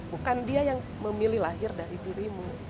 bukan dia yang memilih lahir dari dirimu